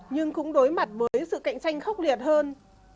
nhưng cũng đối mặt với sự cạnh tranh khốc liệt hơn